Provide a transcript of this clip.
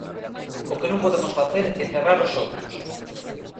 O que non podemos facer é cerrar os ollos.